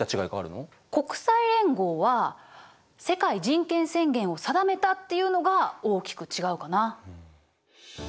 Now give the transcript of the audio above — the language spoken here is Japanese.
国際連合は世界人権宣言を定めたっていうのが大きく違うかな。